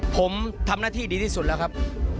ผมทำหน้าที่ดีที่สุดแล้วครับ